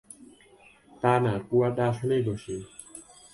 তা না, কুয়াটা আসলেই দোষী।